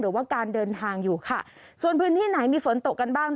หรือว่าการเดินทางอยู่ค่ะส่วนพื้นที่ไหนมีฝนตกกันบ้าง